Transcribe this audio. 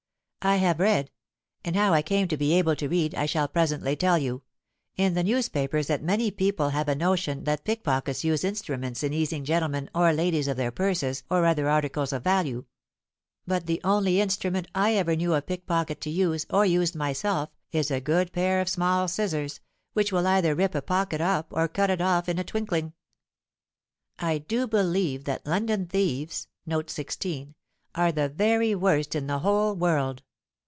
I have read—(and how I came to be able to read, I shall presently tell you)—in the newspapers that many people have a notion that pickpockets use instruments in easing gentlemen or ladies of their purses or other articles of value: but the only instrument I ever knew a pickpocket to use, or used myself, is a good pair of small scissors, which will either rip a pocket up or cut it off in a twinkling. "I do believe that London thieves are the very worst in the whole world.